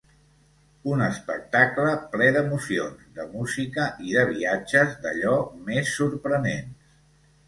Un espectacle ple d'emocions, de música i de viatges d'allò més sorprenents.